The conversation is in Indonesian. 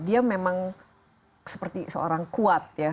dia memang seperti seorang kuat ya